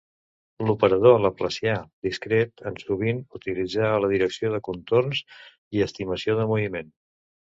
L'operador laplacià discret és sovint utilitzat en la detecció de contorns i estimació de moviment.